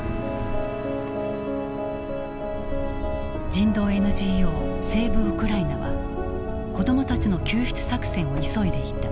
人道ＮＧＯセーブ・ウクライナは子どもたちの救出作戦を急いでいた。